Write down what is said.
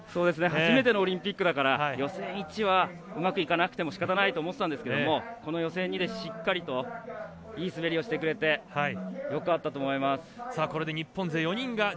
初めてのオリンピックだから、予選１はうまくいかなくてもしかたないって思ってたんですがこの予選２でしっかりといい滑りをしてくれてよかったと思います。